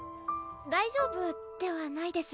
大丈夫ではないです